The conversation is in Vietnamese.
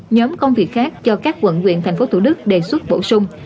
một mươi nhóm công việc khác cho các quận nguyện thành phố thủ đức đề xuất bổ sung